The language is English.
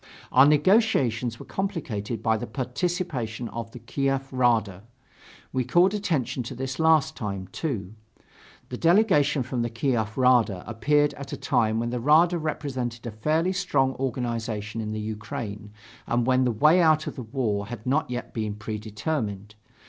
Our negotiations were complicated by the participation of the Kiev Rada. We called attention to this last time, too. The delegation from the Kiev Rada appeared at a time when the Rada represented a fairly strong organization in the Ukraine and when the way out of the war had not yet been predetermined.